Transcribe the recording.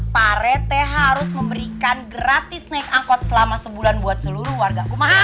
pak rete harus memberikan gratis naik angkot selama sebulan buat seluruh warga